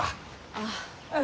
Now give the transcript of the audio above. ああ。